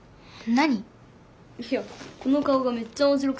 何？